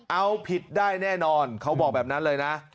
เอาผิดได้แน่นอนเขาบอกแบบนั้นเลยนะ